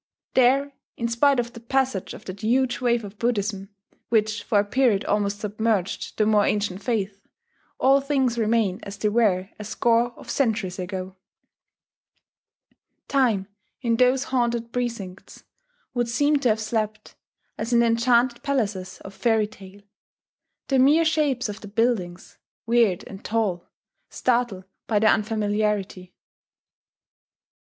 There, in spite of the passage of that huge wave of Buddhism, which for a period almost submerged the more ancient faith, all things remain as they were a score of centuries ago; Time, in those haunted precincts, would seem to have slept, as in the enchanted palaces of fairy tale. The mere shapes of the buildings, weird and tall, startle by their unfamiliarity.